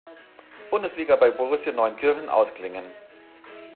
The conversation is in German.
Bundesliga bei Borussia Neunkirchen ausklingen.